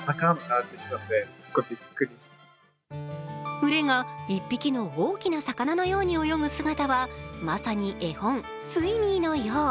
群れが１匹の大きな魚のように泳ぐ姿はまさに絵本「スイミー」のよう。